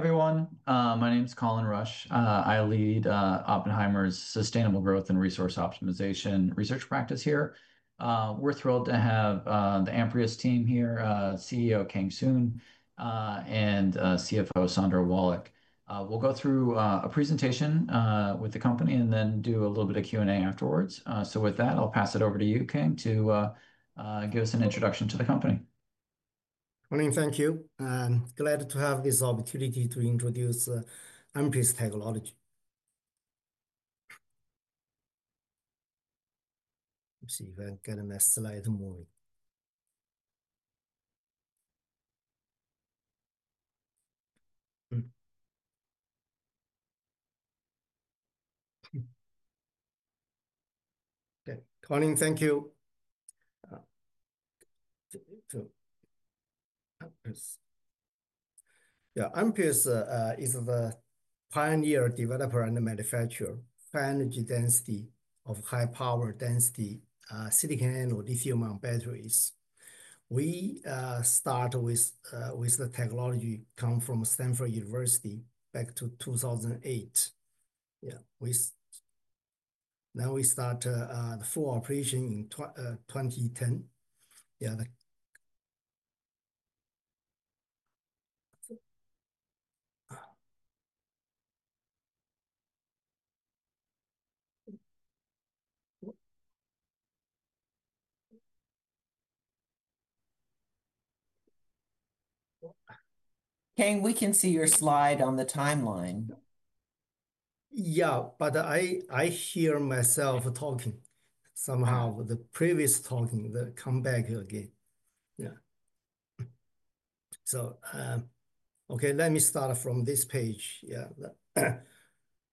Hi, everyone. My name is Colin Rusch. I lead Oppenheimer's Sustainable Growth and Resource Optimization Research practice here. We're thrilled to have the Amprius team here, CEO Kang Sun, and CFO Sandra Wallach. We'll go through a presentation with the company and then do a little bit of Q&A afterwards. With that, I'll pass it over to you, Kang, to give us an introduction to the company. Morning. Thank you. I'm glad to have this opportunity to introduce Amprius Technologies. Let's see if I can get my slide moving. Okay. Morning. Thank you. Amprius is the pioneer developer and manufacturer of high-energy density, of high-power density, silicon anode lithium-ion batteries. We started with the technology coming from Stanford University back in 2008. Now we started the full operation in 2010. Kang, we can see your slide on the timeline. Yeah, I hear myself talking somehow. The previous talking, the comeback again. Okay, let me start from this page. The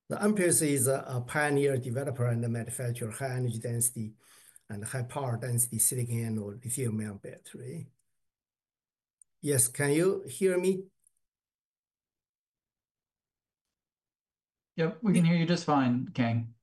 Amprius is a pioneer developer and manufacturer of high-energy density and high-power density silicon anode lithium-ion battery. Yes, can you hear me? Yeah, we can hear you just fine, Kang.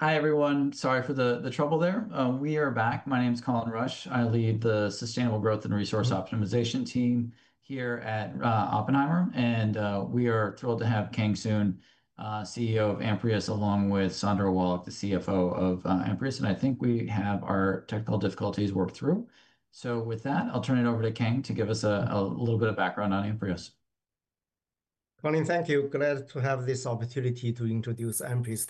Hi, everyone. Sorry for the trouble there. We are back. My name is Colin Rusch. I lead the Sustainable Growth and Resource Optimization team here at Oppenheimer. We are thrilled to have Kang Sun, CEO of Amprius Technologies, along with Sandra Wallach, the CFO of Amprius Technologies. I think we have our technical difficulties worked through. With that, I'll turn it over to Kang to give us a little bit of background on Amprius Technologies. Colin, thank you. Glad to have this opportunity to introduce Amprius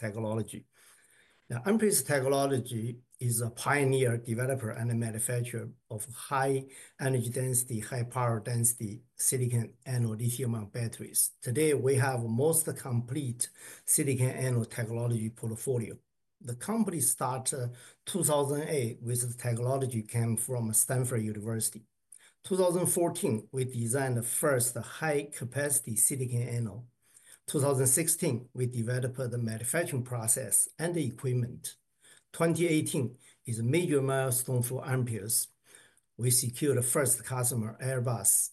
Technologies. Amprius Technologies is a pioneer developer and manufacturer of high-energy density, high-power density silicon anode lithium-ion batteries. Today, we have the most complete silicon anode technology portfolio. The company started in 2008 with the technology coming from Stanford University. In 2014, we designed the first high-capacity silicon anode. In 2016, we developed the manufacturing process and the equipment. In 2018, it was a major milestone for Amprius. We secured the first customer, Airbus,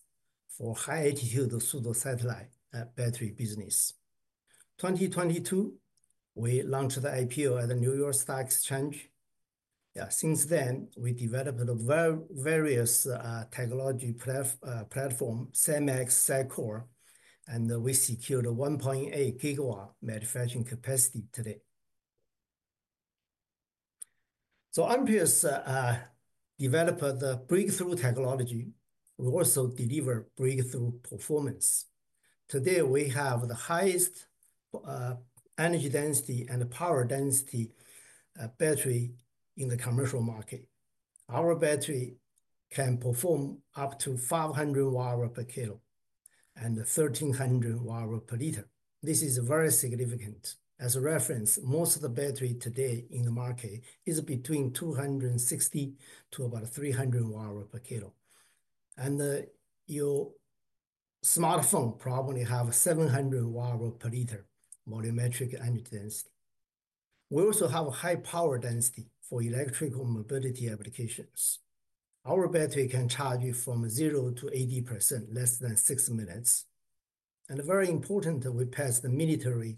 for high-altitude pseudo-satellite battery business. In 2022, we launched the IPO at the New York Stock Exchange. Since then, we developed the various technology platforms, SiMaxx, SiCore, and we secured 1.8 GW manufacturing capacity today. Amprius developed the breakthrough technology. We also delivered breakthrough performance. Today, we have the highest energy density and power density battery in the commercial market. Our battery can perform up to 500 Wh/kg and 1,300 Wh/L. This is very significant. As a reference, most of the battery today in the market is between 260 Wh/kg to about 300 Wh/kg. Your smartphone probably has 700 Wh/L volumetric energy density. We also have a high power density for electrical mobility applications. Our battery can charge you from 0%-80% in less than six minutes. Very important, we passed the military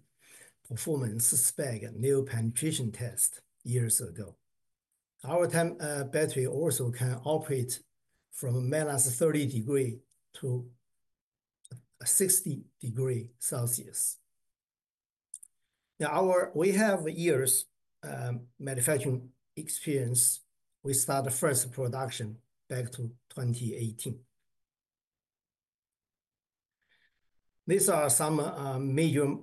performance SPEC, a new penetration test, years ago. Our battery also can operate from -30 degrees Celsius-60 degrees Celsius. Now, we have years of manufacturing experience. We started the first production back in 2018. These are some major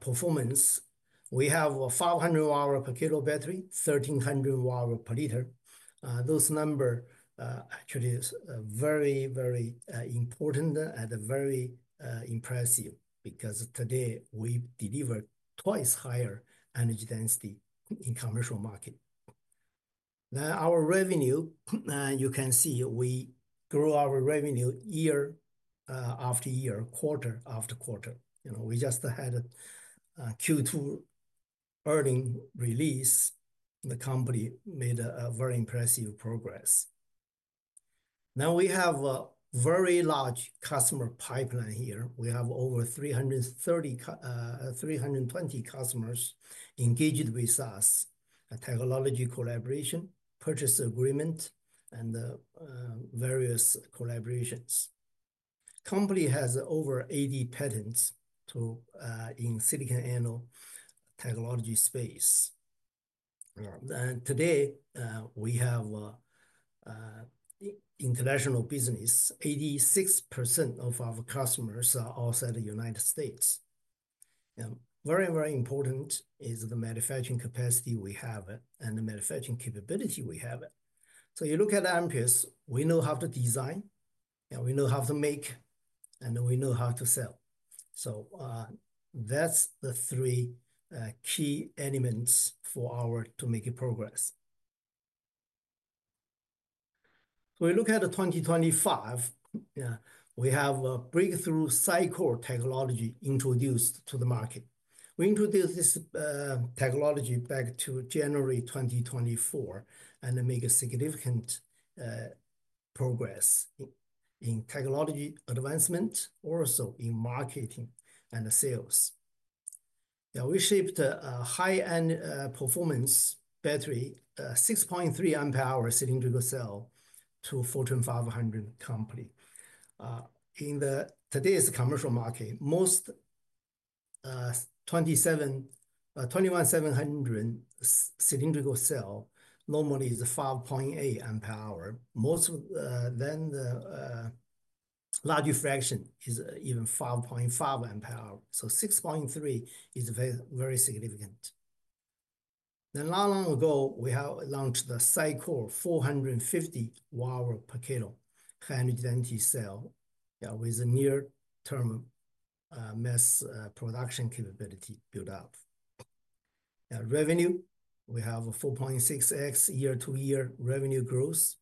performances. We have a 500 Wh/kg battery, 1,300 Wh/L. Those numbers are actually very, very important and very impressive because today we deliver twice higher energy density in the commercial market. Our revenue, you can see we grow our revenue year after year, quarter after quarter. You know, we just had a Q2 earnings release. The company made very impressive progress. Now, we have a very large customer pipeline here. We have over 320 customers engaged with us, technology collaboration, purchase agreement, and various collaborations. The company has over 80 patents in the silicon anode technology space. Today, we have international business. 86% of our customers are also in the United States. Very, very important is the manufacturing capacity we have and the manufacturing capability we have. You look at Amprius, we know how to design, and we know how to make, and we know how to sell. That's the three key elements for our to make progress. We look at the 2025. Yeah, we have a breakthrough SiCore technology introduced to the market. We introduced this technology back in January 2024 and made significant progress in technology advancement, also in marketing and sales. Yeah, we shipped a high-end performance battery, 6.3 Ah cylindrical cell to Fortune 500 company. In today's commercial market, most 21,700 cylindrical cells normally are 5.8 Ah. Most of them, a larger fraction is even 5.5 Ah. 6.3 Ah is very, very significant. Not long ago, we launched the SiCore 450 Wh/kg high energy density cell with a near-term mass production capability built up. Revenue, we have 4.6x year-to-year revenue growth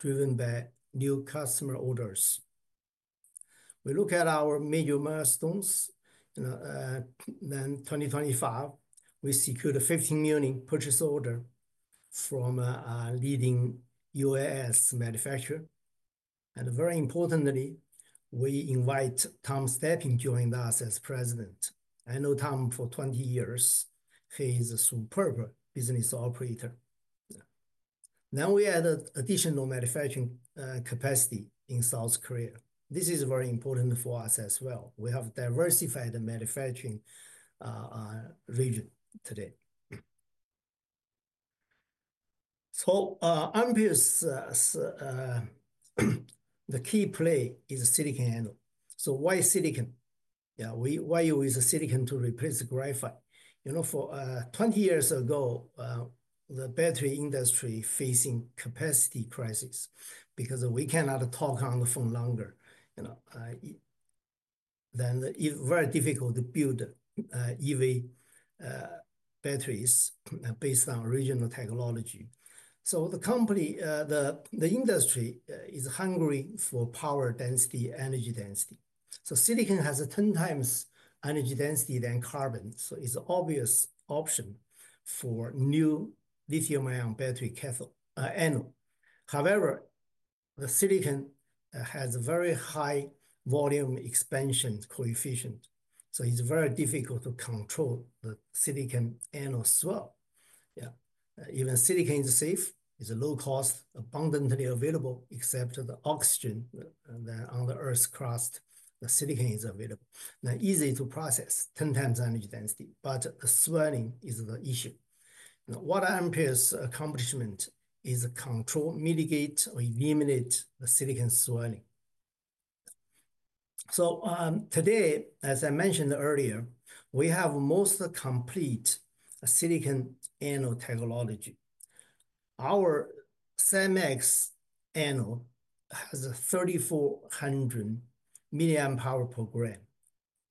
driven by new customer orders. We look at our major milestones. In 2025, we secured a $15 million purchase order from a leading UAS manufacturer. Very importantly, we invited Tom Stepien to join us as President. I know Tom for 20 years. He is a superb business operator. Now we added additional manufacturing capacity in South Korea. This is very important for us as well. We have diversified the manufacturing region today. Amprius, the key play is silicon anode. Why silicon? Yeah, why use silicon to replace graphite? You know, 20 years ago, the battery industry faced a capacity crisis because we cannot talk on the phone longer. It was very difficult to build EV batteries based on regional technology. The company, the industry is hungry for power density, energy density. Silicon has 10x energy density than carbon. It's an obvious option for new lithium-ion battery anode. However, the silicon has a very high volume expansion coefficient. It's very difficult to control the silicon anode swell. Yeah, even silicon is safe. It's low cost, abundantly available, except the oxygen on the Earth's crust. The silicon is available. Now, easy to process, 10x energy density. The swelling is the issue. What Amprius' accomplishment is to control, mitigate, or eliminate the silicon swelling. Today, as I mentioned earlier, we have the most complete silicon anode technology. Our SiMaxx anode has 3,400 mAh/g.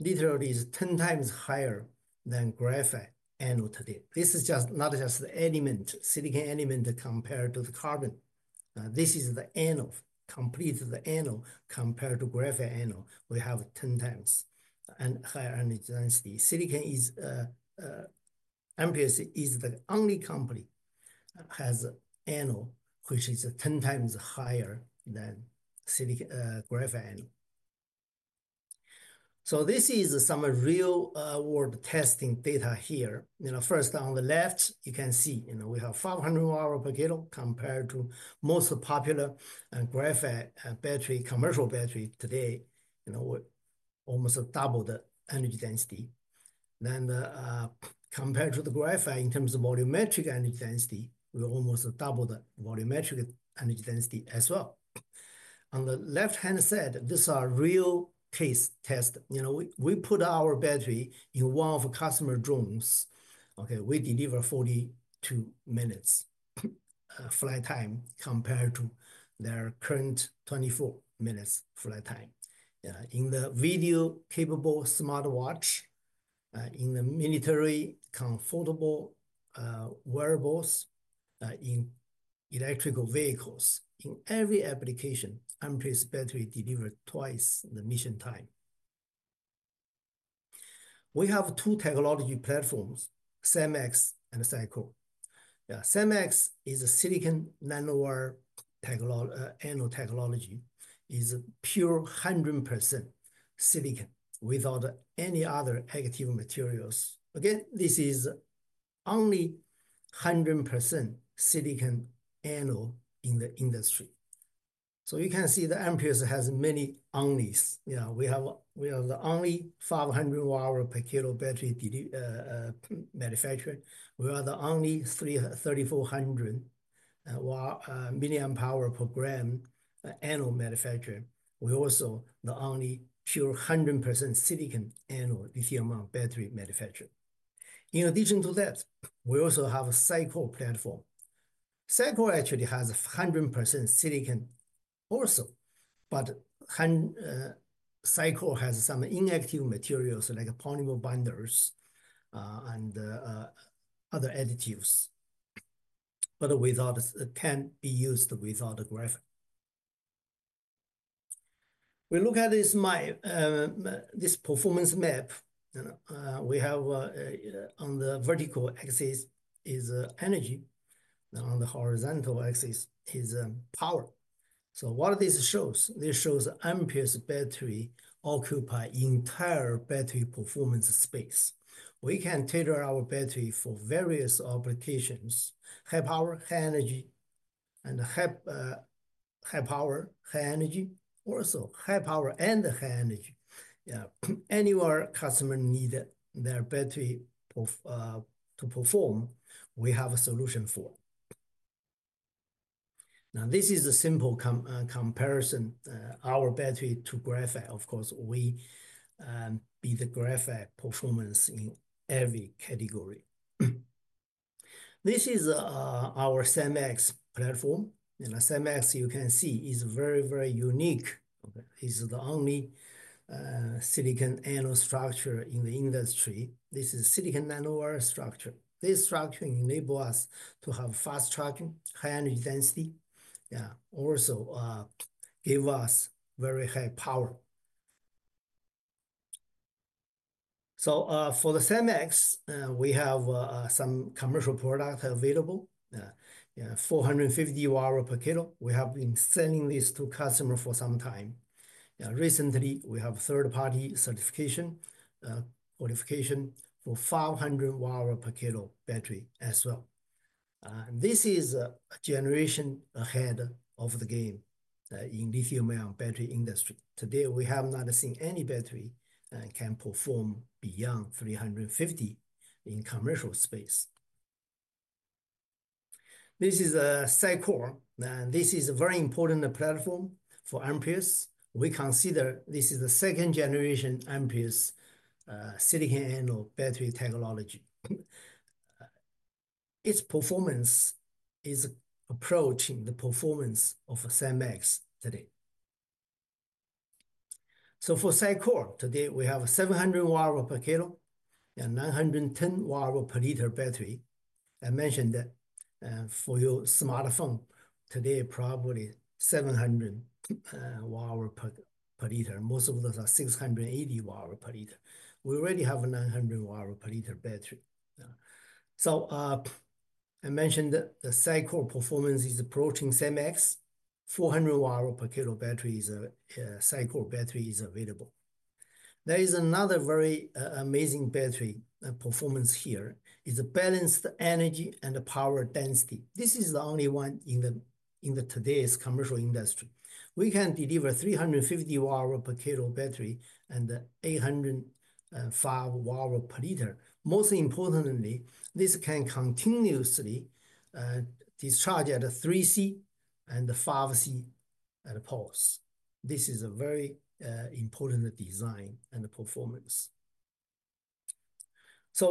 Literally, it's 10x higher than graphite anode today. This is just not just the element, silicon element, compared to the carbon. This is the anode, complete the anode compared to graphite anode. We have 10x higher energy density. Amprius is the only company that has an anode which is 10x higher than graphite anode. This is some real-world testing data here. First on the left, you can see we have 500 Wh/kg compared to most popular graphite battery, commercial battery today. We're almost double the energy density. Compared to the graphite in terms of volumetric energy density, we almost doubled the volumetric energy density as well. On the left-hand side, these are real case tests. We put our battery in one of the customer drones. We deliver 42 minutes flight time compared to their current 24 minutes flight time. In the video capable smartwatch, in the military comfortable wearables, in electrical vehicles, in every application, Amprius battery delivered 2x in the mission time. We have two technology platforms, SiMaxx and SiCore. SiMaxx is a silicon nanowire anode technology. It's pure 100% silicon without any other active materials. This is only 100% silicon anode in the industry. You can see that Amprius has many onlys. We are the only 500 Wh/kg battery manufacturer. We are the only 3,400 mAh/g anode manufacturer. We're also the only pure 100% silicon anode lithium-ion battery manufacturer. In addition to that, we also have a SiCore platform. SiCore actually has 100% silicon also, but SiCore has some inactive materials like polymer binders and other additives, but it can be used without graphite. We look at this performance map. We have on the vertical axis is energy. On the horizontal axis is power. What this shows, this shows Amprius battery occupies the entire battery performance space. We can tailor our battery for various applications: high power, high energy, and high power, high energy, also high power and high energy. Anywhere customers need their battery to perform, we have a solution for it. This is a simple comparison. Our battery to graphite, of course, we beat the graphite performance in every category. This is our SiMaxx platform. SiMaxx, you can see, is very, very unique. It's the only silicon anode structure in the industry. This is a silicon nanowire structure. This structure enables us to have fast charging, high energy density, yeah, also gives us very high power. For the SiMaxx, we have some commercial products available, yeah, 450 Wh/kg. We have been selling this to customers for some time. Recently, we have third-party certification, qualification for 500 Wh/kg battery as well. This is a generation ahead of the game in the lithium-ion battery industry. Today, we have not seen any battery that can perform beyond 350 Wh/kg in the commercial space. This is SiCore. This is a very important platform for Amprius. We consider this is the second-generation Amprius silicon anode battery technology. Its performance is approaching the performance of SiMaxx today. For SiCore, today we have 700 Wh/kg and 910 Wh/L battery. I mentioned that for your smartphone, today probably 700 Wh/L. Most of those are 680 Wh/L. We already have a 900 Wh/L battery. I mentioned the SiCore performance is approaching SiMaxx. 400 Wh/kg battery is a SiCore battery is available. There is another very amazing battery performance here. It's a balanced energy and power density. This is the only one in today's commercial industry. We can deliver 350 Wh/kg battery and 805 Wh/L. Most importantly, this can continuously discharge at 3C and 5C at a pulse. This is a very important design and performance.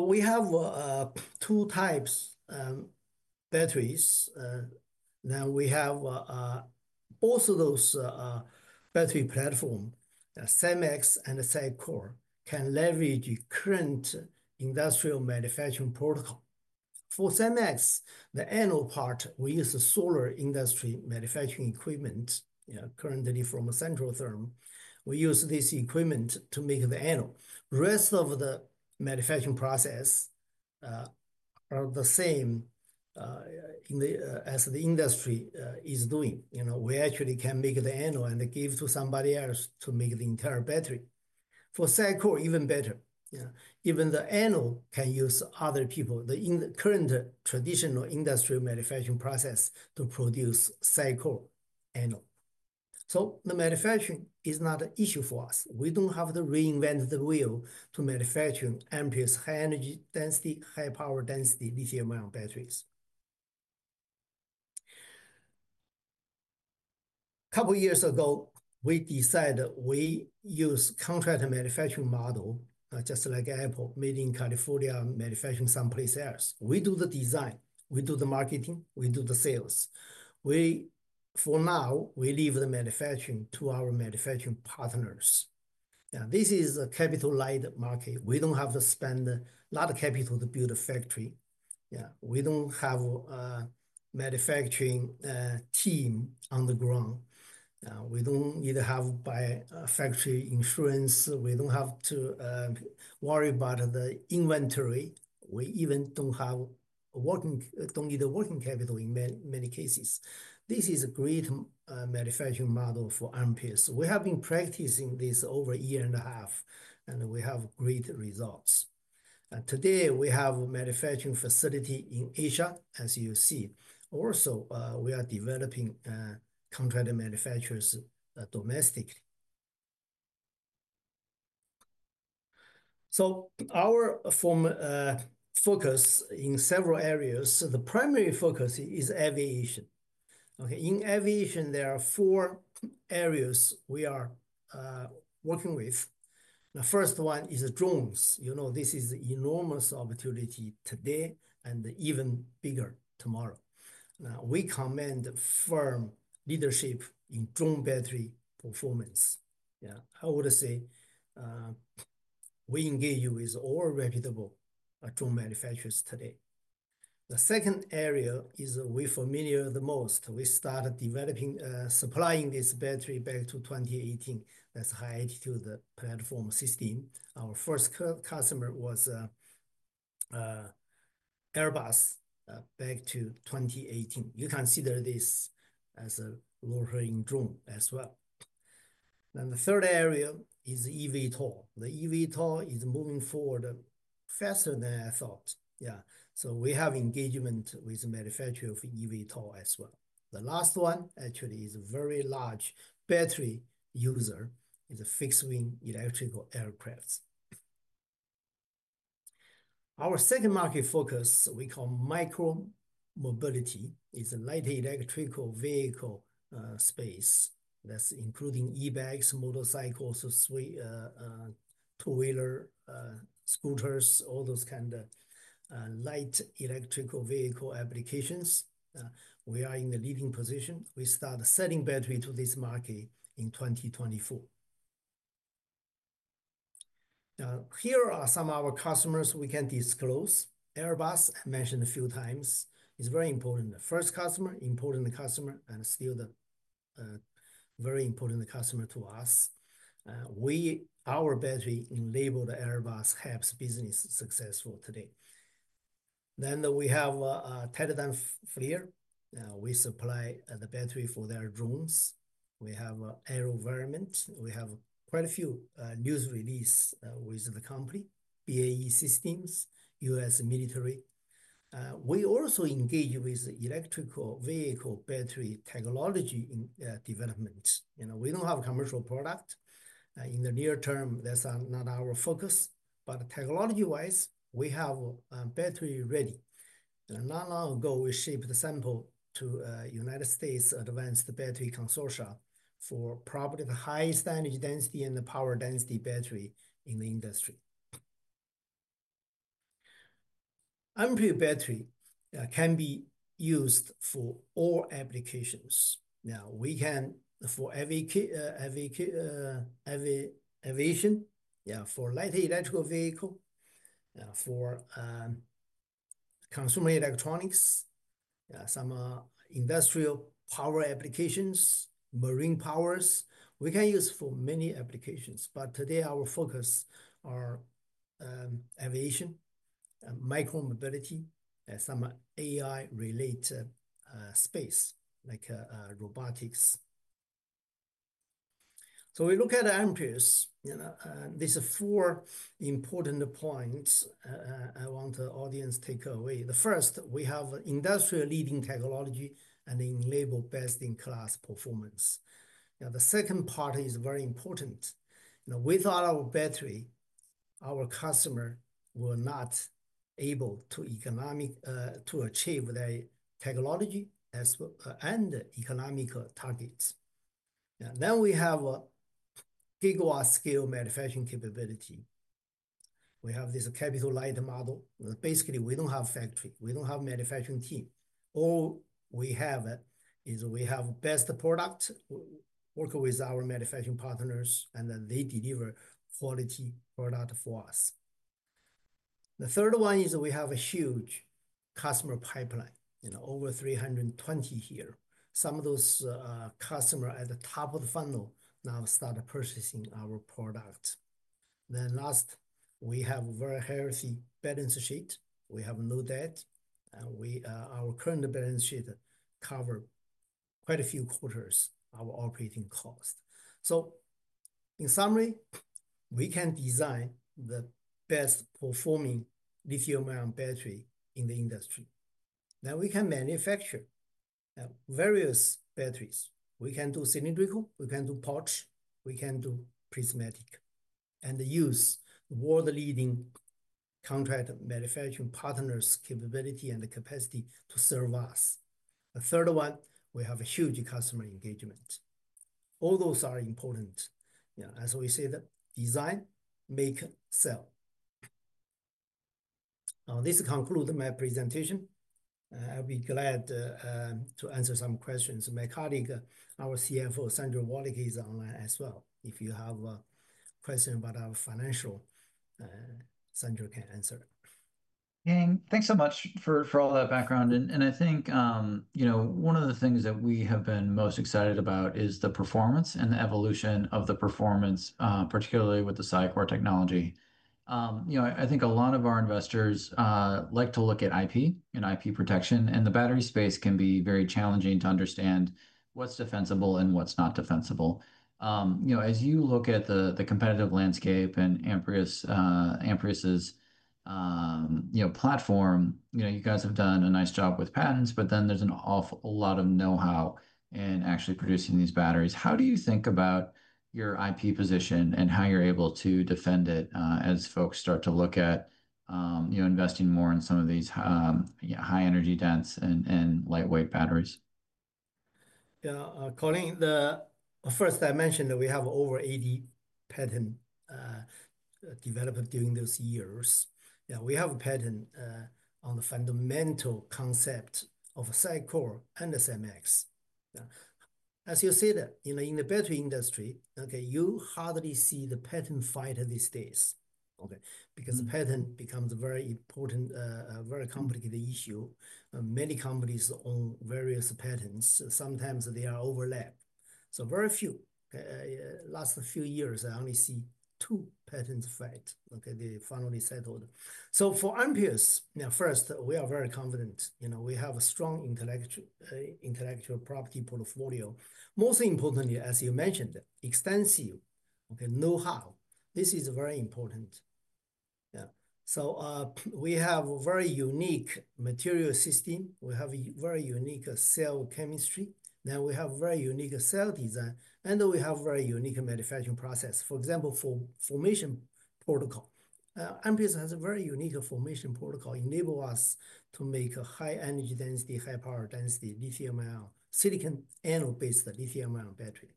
We have two types of batteries now. We have both of those battery platforms, SiMaxx and SiCore, can leverage current industrial manufacturing protocol. For SiMaxx, the anode part, we use solar industry manufacturing equipment, currently from a central firm. We use this equipment to make the anode. The rest of the manufacturing process is the same as the industry is doing. We actually can make the anode and give it to somebody else to make the entire battery. For SiCore, even better. Even the anode can use other people, the current traditional industrial manufacturing process, to produce SiCore anode. The manufacturing is not an issue for us. We don't have to reinvent the wheel to manufacture Amprius high energy density, high power density lithium-ion batteries. A couple of years ago, we decided we use a contract manufacturing model, just like Apple made in California, manufacturing someplace else. We do the design. We do the marketing. We do the sales. For now, we leave the manufacturing to our manufacturing partners. This is a capital-led market. We don't have to spend a lot of capital to build a factory. We don't have a manufacturing team on the ground. We don't need to have to buy factory insurance. We don't have to worry about the inventory. We even don't need working capital in many cases. This is a great manufacturing model for Amprius. We have been practicing this over a year and a half, and we have great results. Today, we have a manufacturing facility in Asia, as you see. Also, we are developing contract manufacturers domestically. Our focus is in several areas. The primary focus is aviation. In aviation, there are four areas we are working with. The first one is drones. This is an enormous opportunity today and even bigger tomorrow. We command firm leadership in drone battery performance. I would say we engage with all reputable drone manufacturers today. The second area is we're familiar the most. We started developing, supplying this battery back in 2018 as a high-altitude platform system. Our first customer was Airbus back in 2018. You consider this as a low-hanging drone as well. The third area is eVTOL. The eVTOL is moving forward faster than I thought. We have engagement with the manufacturer of eVTOL as well. The last one actually is a very large battery user in the fixed-wing electrical aircraft. Our second market focus, we call micro-mobility, is a light electrical vehicle space. That's including ebikes, motorcycles, two-wheeler scooters, all those kinds of light electrical vehicle applications. We are in the leading position. We started selling battery to this market in 2024. Here are some of our customers we can disclose. Airbus, I mentioned a few times, is a very important first customer, important customer, and still a very important customer to us. Our battery enabled Airbus to have business successful today. We have Teledyne FLIR. We supply the battery for their drones. We have AeroVironment. We have quite a few news releases with the company, BAE Systems, U.S. Military. We also engage with electrical vehicle battery technology in development. We don't have a commercial product. In the near term, that's not our focus. Technology-wise, we have battery ready. Not long ago, we shipped a sample to the United States Advanced Battery Consortium for probably the highest energy density and the power density battery in the industry. Amprius battery can be used for all applications. Now, we can for aviation, for light electrical vehicle, for consumer electronics, some industrial power applications, marine powers. We can use for many applications. Today, our focus is aviation, micro-mobility, and some AI-related space, like robotics. We look at Amprius. There are four important points I want the audience to take away. The first, we have industrial leading technology and enabled best-in-class performance. The second part is very important. Without our battery, our customers will not be able to achieve their technology and economic targets. We have a gigawatt-scale manufacturing capability. We have this capital-led model. Basically, we don't have a factory. We don't have a manufacturing team. All we have is we have the best product, work with our manufacturing partners, and then they deliver quality products for us. The third one is we have a huge customer pipeline, over 320 here. Some of those customers at the top of the funnel now started purchasing our products. Last, we have a very healthy balance sheet. We have no debt. Our current balance sheet covers quite a few quarters of our operating cost. In summary, we can design the best-performing lithium-ion battery in the industry. We can manufacture various batteries. We can do cylindrical, we can do pouch, we can do prismatic, and use world-leading contract manufacturing partners' capability and the capacity to serve us. The third one, we have a huge customer engagement. All those are important. As we said, design, make, sell. This concludes my presentation. I'll be glad to answer some questions. My colleague, our CFO, Sandra Wallach, is online as well. If you have a question about our financial, Sandra can answer. Thank you so much for all that background. I think one of the things that we have been most excited about is the performance and the evolution of the performance, particularly with the SiCore technology. I think a lot of our investors like to look at IP and IP protection, and the battery space can be very challenging to understand what's defensible and what's not defensible. As you look at the competitive landscape and Amprius' platform, you guys have done a nice job with patents, but then there's an awful lot of know-how in actually producing these batteries. How do you think about your IP position and how you're able to defend it as folks start to look at investing more in some of these high-energy dense and lightweight batteries? Yeah, Colin, the first I mentioned that we have over 80 patents developed during those years. Yeah, we have a patent on the fundamental concept of SiCore and SiMaxx. As you said, in the battery industry, you hardly see the patent fight these days because the patent becomes a very important, very complicated issue. Many companies own various patents. Sometimes they overlap. Very few. The last few years, I only see two patents fight. They finally settled. For Amprius, first, we are very confident. We have a strong intellectual property portfolio. Most importantly, as you mentioned, extensive know-how. This is very important. Yeah, we have a very unique material system. We have a very unique cell chemistry. Now, we have a very unique cell design, and we have a very unique manufacturing process. For example, for formation protocol, Amprius has a very unique formation protocol that enables us to make a high-energy density, high-power density lithium-ion, silicon anode-based lithium-ion battery.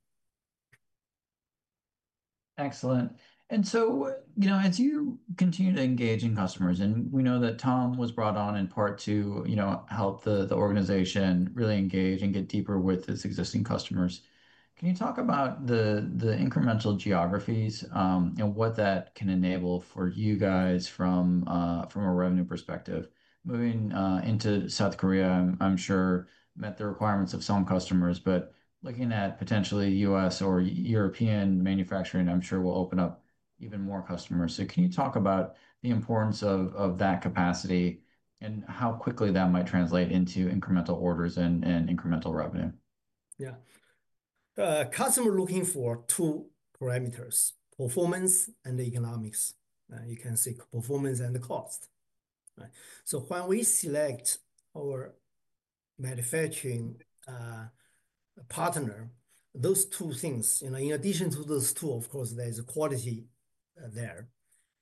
Excellent. As you continue to engage in customers, and we know that Tom was brought on in part to help the organization really engage and get deeper with its existing customers, can you talk about the incremental geographies and what that can enable for you guys from a revenue perspective? Moving into South Korea, I'm sure met the requirements of some customers, but looking at potentially U.S. or European manufacturing, I'm sure will open up even more customers. Can you talk about the importance of that capacity and how quickly that might translate into incremental orders and incremental revenue? Yeah. Customers are looking for two parameters: performance and the economics. You can say performance and the cost. When we select our manufacturing partner, those two things, in addition to those two, of course, there's quality there.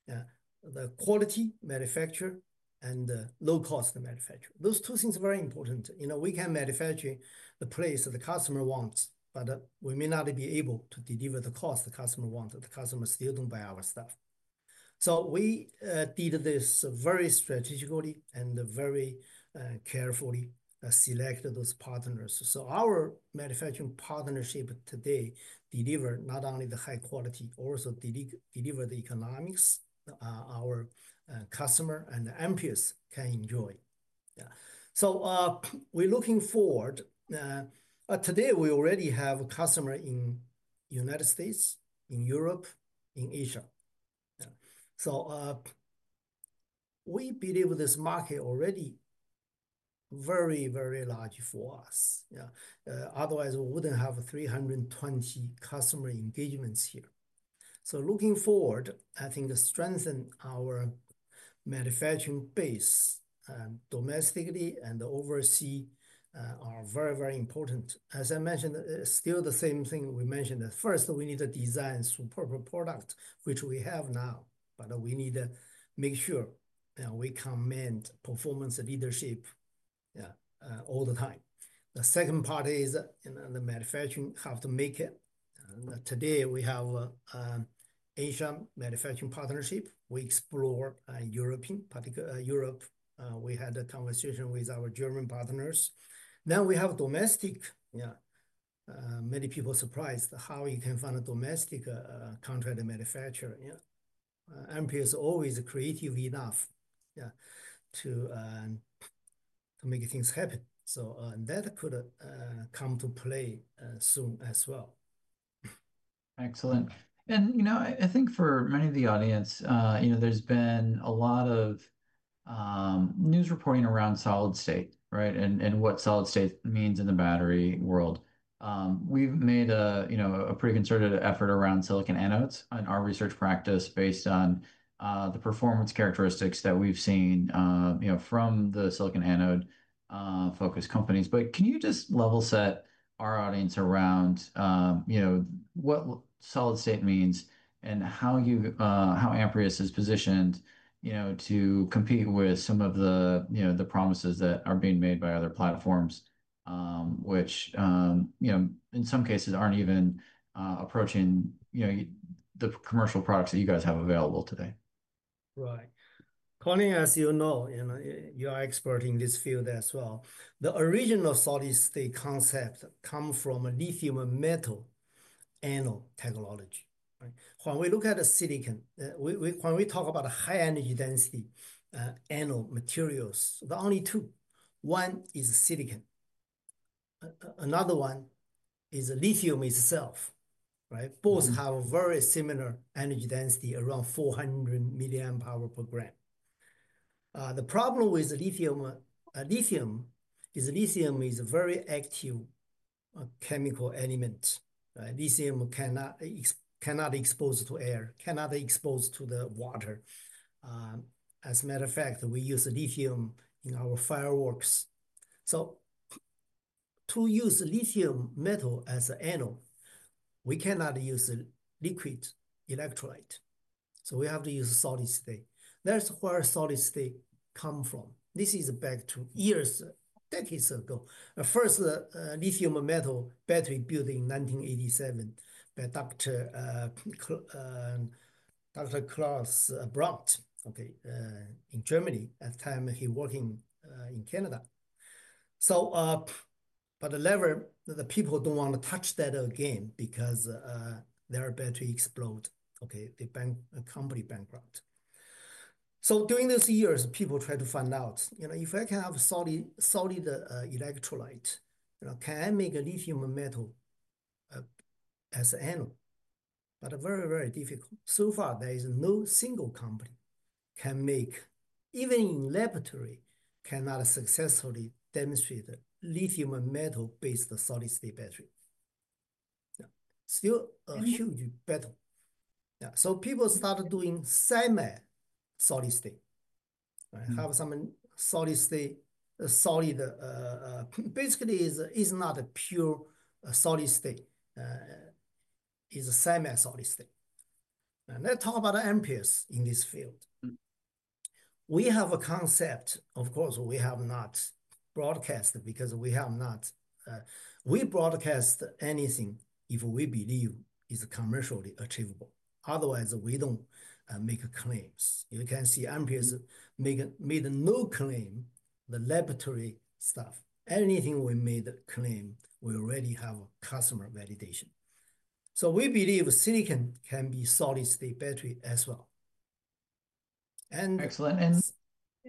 The quality manufacturer and the low-cost manufacturer. Those two things are very important. We can manufacture the place the customer wants, but we may not be able to deliver the cost the customer wants. The customers still don't buy our stuff. We did this very strategically and very carefully select those partners. Our manufacturing partnership today delivers not only the high quality, but also delivers the economics our customers and Amprius can enjoy. We're looking forward. Today, we already have customers in the United States, in Europe, in Asia. We believe this market is already very, very large for us. Otherwise, we wouldn't have 320-customer-engagements here. Looking forward, I think strengthening our manufacturing base domestically and overseas is very, very important. As I mentioned, it's still the same thing we mentioned. First, we need to design a superb product, which we have now, but we need to make sure that we commend performance leadership all the time. The second part is the manufacturing has to make it. Today, we have an Asian manufacturing partnership. We explore Europe. We had a conversation with our German partners. Now we have domestic. Many people are surprised how you can find a domestic contract manufacturer. Amprius is always creative enough to make things happen. That could come to play soon as well. Excellent. I think for many of the audience, there's been a lot of news reporting around solid-state, right, and what solid-state means in the battery world. We've made a pretty concerted effort around silicon anodes in our research practice based on the performance characteristics that we've seen from the silicon anode-focused companies. Can you just level set our audience around what solid-state means and how Amprius is positioned to compete with some of the promises that are being made by other platforms, which in some cases aren't even approaching the commercial products that you guys have available today? Right. Colin, as you know, you are an expert in this field as well. The original solid state concept comes from lithium metal anode technology. When we look at the silicon, when we talk about high-energy density anode materials, there are only two. One is silicon. Another one is lithium itself. Both have a very similar energy density, around 400 mAh/g. The problem with lithium is lithium is a very active chemical element. Lithium cannot be exposed to air, cannot be exposed to the water. As a matter of fact, we use lithium in our fireworks. To use lithium metal as an anode, we cannot use a liquid electrolyte. We have to use solid state. That's where solid state comes from. This is back to years, decades ago. First, lithium metal battery built in 1987 by Dr. Klaus Braut in Germany. At the time, he was working in Canada. The level, the people don't want to touch that again because their battery exploded. The company went bankrupt. During those years, people tried to find out, you know, if I can have a solid electrolyte, can I make a lithium metal as an anode? Very, very difficult. So far, there is no single company that can make, even in laboratory, cannot successfully demonstrate a lithium metal-based solid state battery. Still, a huge battle. People started doing SiMaxx solid state. Basically, it's not a pure solid state. It's SiMaxx solid state. Let's talk about Amprius in this field. We have a concept. Of course, we have not broadcast because we have not broadcast anything if we believe it's commercially achievable. Otherwise, we don't make claims. You can see Amprius made no claim on the laboratory stuff. Anything we made a claim, we already have customer validation. We believe silicon can be a solid state battery as well. Excellent.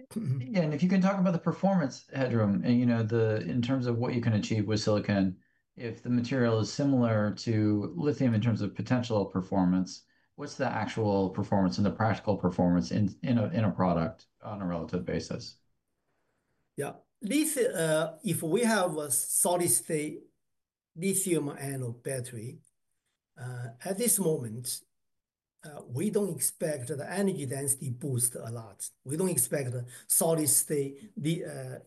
If you can talk about the performance, in terms of what you can achieve with silicon, if the material is similar to lithium in terms of potential performance, what's the actual performance and the practical performance in a product on a relative basis? Yeah. If we have a solid-state lithium anode battery, at this moment, we don't expect the energy density to boost a lot. We don't expect a solid-state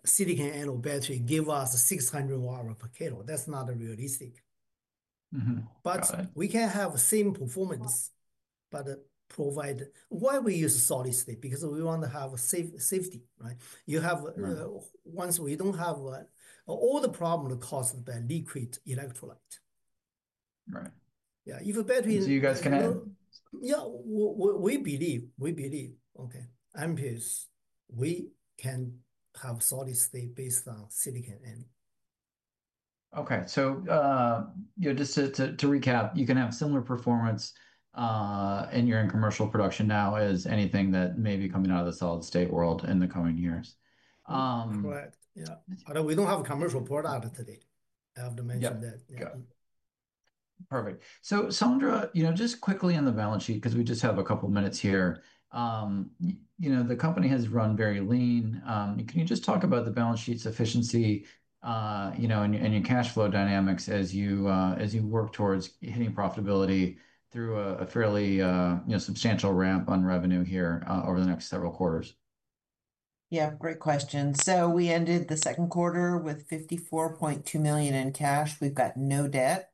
silicon anode battery to give us 600 Wh/kg. That's not realistic. We can have the same performance, but why we use a solid-state? We want to have safety. Once we don't have all the problems caused by liquid electrolyte. Lithium-ion batteries can do. That is where you guys comes in. We believe, okay, Amprius, we can have a solid-state based on silicon anode. Okay, just to recap, you can have similar performance in your commercial production now as anything that may be coming out of the solid-state world in the coming years. We don't have a commercial product today. I have to mention that. Perfect. Sandra, just quickly on the balance sheet, because we just have a couple of minutes here. The company has run very lean. Can you just talk about the balance sheet's efficiency and your cash flow dynamics as you work towards hitting profitability through a fairly substantial ramp on revenue here over the next several quarters? Yeah, great question. We ended the second quarter with $54.2 million in cash. We've got no debt.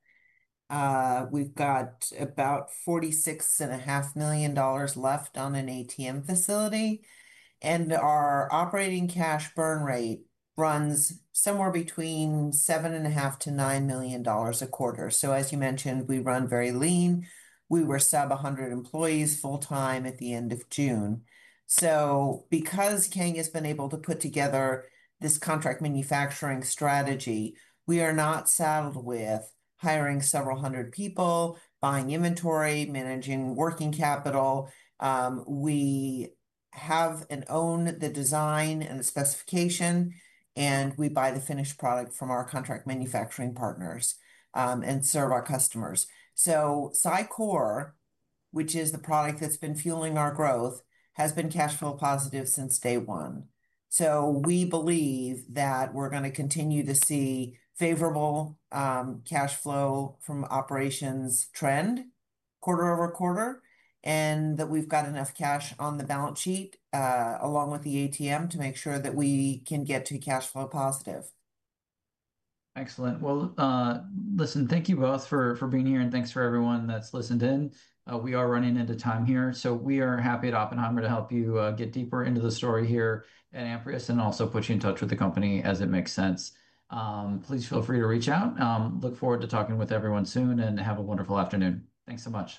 We've got about $46.5 million left on an ATM facility. Our operating cash burn rate runs somewhere between $7.5 million-$9 million a quarter. As you mentioned, we run very lean. We were sub-100 employees full-time at the end of June. Because Kang has been able to put together this contract manufacturing strategy, we are not saddled with hiring several hundred people, buying inventory, or managing working capital. We have and own the design and the specification, and we buy the finished product from our contract manufacturing partners and serve our customers. SiCore, which is the product that's been fueling our growth, has been cash flow positive since day one. We believe that we're going to continue to see favorable cash flow from operations trend quarter-over-quarter and that we've got enough cash on the balance sheet along with the ATM to make sure that we can get to cash flow positive. Excellent. Thank you both for being here and thanks for everyone that's listened in. We are running into time here. We are happy at Oppenheimer to help you get deeper into the story here at Amprius and also put you in touch with the company as it makes sense. Please feel free to reach out. Look forward to talking with everyone soon and have a wonderful afternoon. Thanks so much.